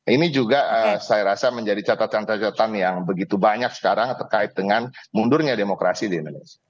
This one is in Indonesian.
ini juga saya rasa menjadi catatan catatan yang begitu banyak sekarang terkait dengan mundurnya demokrasi di indonesia